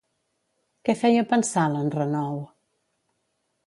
Què feia pensar, l'enrenou?